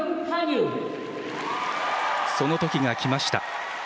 その時が来ました。